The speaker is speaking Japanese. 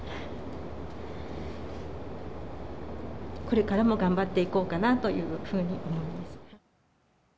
これからも頑張っていこうかなというふうに思います。